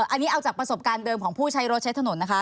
อันนี้เอาจากประสบการณ์เดิมของผู้ใช้รถใช้ถนนนะคะ